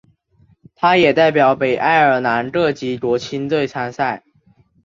他也代表北爱尔兰各级国青队参赛。